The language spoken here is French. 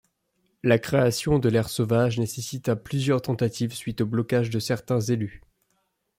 La création de l’aire sauvage nécessita plusieurs tentatives suite aux blocages de certains élus.